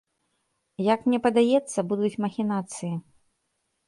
Як мне падаецца, будуць махінацыі.